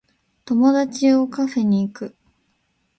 友達をカフェに行く